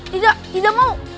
tidak tidak mau